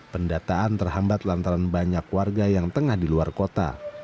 pendataan terhambat lantaran banyak warga yang tengah di luar kota